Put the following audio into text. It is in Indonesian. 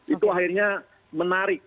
itu akhirnya menarik